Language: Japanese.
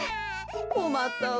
こまったわ。